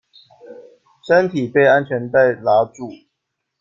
身体被安全带拉住